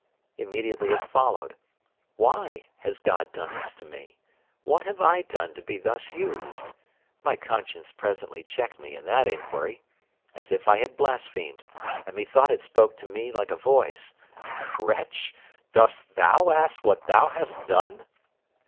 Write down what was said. Immediately it followed: Why has God done this to me? What have I done to be thus used? My conscience presently checked me in that inquiry, as if I had blasphemed, and methought it spoke to me like a voice: "Wretch! dost thou ask what thou hast done?